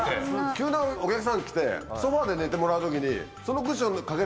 急なお客さん来てソファで寝てもらう時に。